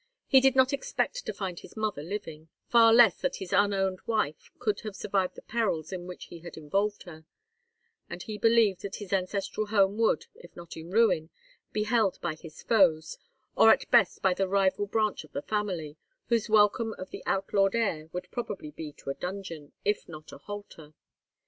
He did not expect to find his mother living,—far less that his unowned wife could have survived the perils in which he had involved her; and he believed that his ancestral home would, if not a ruin, be held by his foes, or at best by the rival branch of the family, whose welcome of the outlawed heir would probably be to a dungeon, if not a halter.